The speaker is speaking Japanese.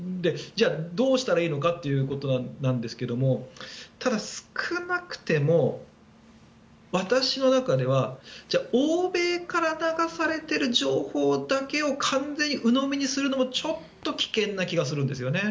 じゃあ、どうしたらいいのかということなんですけどただ、少なくても私の中ではじゃあ、欧米から流されている情報だけを完全にうのみにするのもちょっと危険な気がするんです。